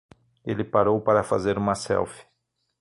Ele parou pra fazer uma selfie.